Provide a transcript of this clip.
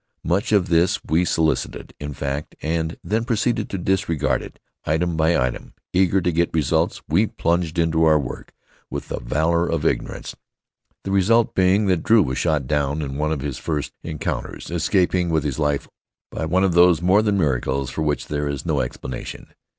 Much of this we solicited, in fact, and then proceeded to disregard it item by item. Eager to get results, we plunged into our work with the valor of ignorance, the result being that Drew was shot down in one of his first encounters, escaping with his life by one of those more than miracles for which there is no explanation.